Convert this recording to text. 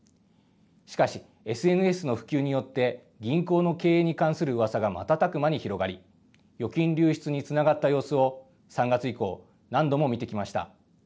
しかし、ＳＮＳの普及によって、銀行の経営に関するうわさが瞬く間に広がり、預金流出につながった様子を、３月以降、何度も見てきました。